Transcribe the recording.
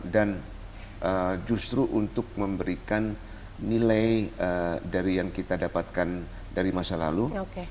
dan justru untuk memberikan nilai dari yang kita dapatkan dari masa lalu